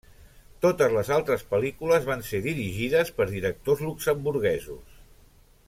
Totes les altres pel·lícules van ser dirigides per directors luxemburguesos.